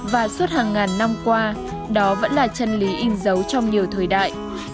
và suốt hàng ngàn năm qua đó vẫn là chân lý in dấu trong nhiều thời đại